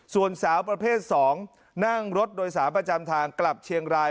ส่วนสาวประเภท๒นั่งรถโดยสารประจำทางกลับเชียงราย